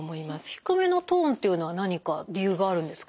低めのトーンっていうのは何か理由があるんですか？